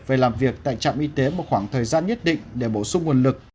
về làm việc tại trạm y tế một khoảng thời gian nhất định để bổ sung nguồn lực